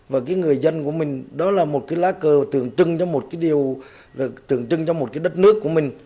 và cái người dân của mình đó là một cái lá cờ tượng trưng cho một cái điều tượng trưng cho một cái đất nước của mình